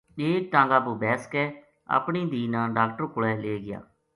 ایک ٹانگہ پو بیس کے اپنی دھی نا ڈاکٹر کولے لے گیا